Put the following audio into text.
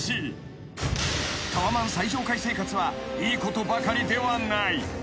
［タワマン最上階生活はいいことばかりではない］